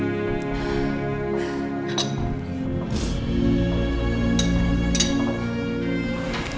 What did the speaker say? buddies terima kasih ya drys